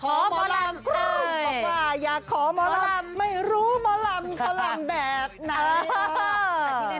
หมอลำครูบอกว่าอยากขอหมอลำไม่รู้หมอลำเขาลำแบบไหน